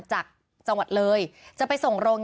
มีคนเสียชีวิตคุณ